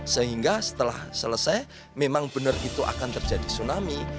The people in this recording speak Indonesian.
sehingga setelah selesai memang benar itu akan terjadi tsunami